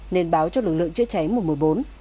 nên báo cho lực lượng chế cháy mùa một mươi bốn